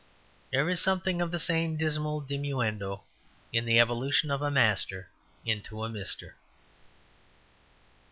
There is something of the same dismal diminuendo in the evolution of a Master into a Mister.